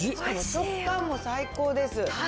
食感も最高です。